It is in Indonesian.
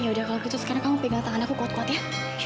yaudah kalau gitu sekarang kamu pegang tangan aku kuat kuat ya